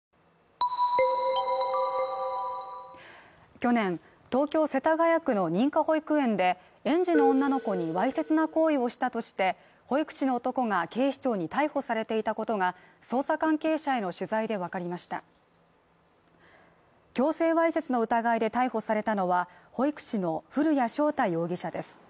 去年、東京世田谷区の認可保育園で園児の女の子にわいせつな行為をしたとして保育士の男が警視庁に逮捕されていたことが捜査関係者への取材で分かりました強制わいせつの疑いで逮捕されたのは保育士の古谷翔太容疑者です